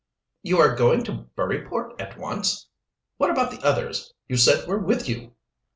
"You are going to Buryport at once? What about the others you said were with you?"